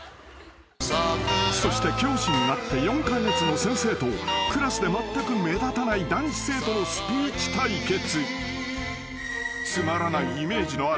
［そして教師になって４カ月の先生とクラスでまったく目立たない男子生徒のスピーチ対決］